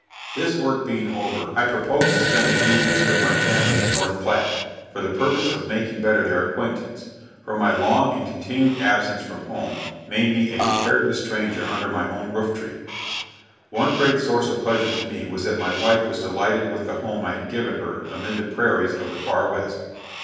This work being over, I proposed to spend a few weeks with my family at North Platte, for the purpose of making their better acquaintance, for my long and continued absence from home made me a comparative stranger under my own roof tree. One great source of pleasure to me was that my wife was delighted with the home I had given her amid the prairies of the far west.